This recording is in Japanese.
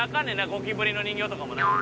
ゴキブリの人形とかもな。